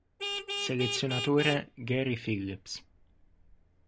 Selezionatore: Gary Phillips